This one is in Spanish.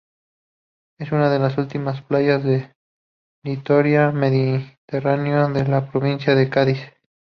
Es una de las últimas playas del litoral mediterráneo de la provincia de Cádiz.